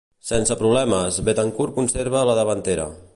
Sense problemes, Betancur conserva la davantera.